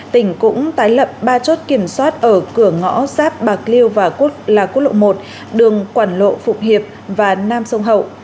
tỉnh cũng tái lập ba chốt kiểm soát ở cửa ngõ sáp bạc liêu và là quốc lộ một đường quản lộ phụng hiệp và nam sông hậu